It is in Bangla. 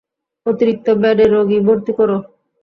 অতিরিক্ত বেডে রোগী ভর্তি করো।